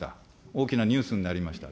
大きなニュースになりました。